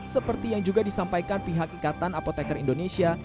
seperti yang juga disampaikan pihak ikatan apoteker indonesia